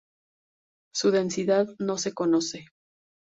Su densidad no se conoce.